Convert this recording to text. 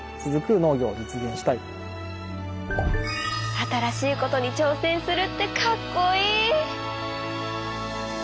新しいことに挑戦するってかっこいい！